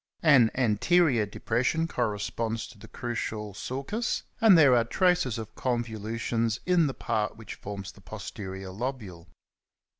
An anterior depression corresponds to the crucial sulcus, and there are traces of convolutions in the part which forms the posterior lobule."